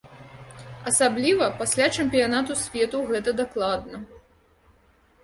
Асабліва пасля чэмпіянату свету гэта дакладна.